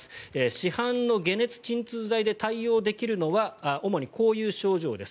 市販の解熱鎮痛剤で対応できるのは主にこういう症状です。